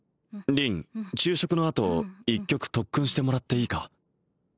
昼食のあと一局特訓してもらっていいか？